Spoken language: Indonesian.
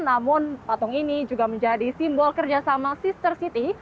namun patung ini juga menjadi simbol kerjasama sister city